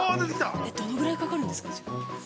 どのぐらいかかるんですか、時間。